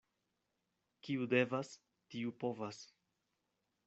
Kiu devas, tiu povas.